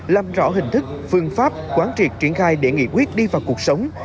làm rõ hình thức phương pháp quán triệt triển khai để nghị quyết đi vào cuộc sống